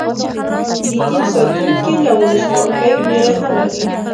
د دین ساتونکي له ولسواکۍ وېره نه لري.